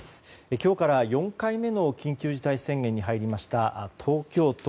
今日から４回目の緊急事態宣言に入りました東京都。